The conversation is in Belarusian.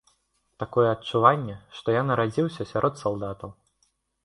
Такое адчуванне, што я нарадзіўся сярод салдатаў.